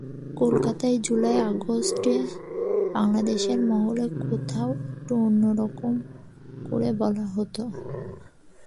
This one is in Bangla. কলকাতায় জুলাই-আগস্টে বাংলাদেশ মহলে কথাটা একটু অন্য রকম করে বলা হতো।